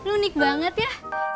unik banget ya